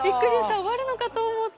終わるのかと思った。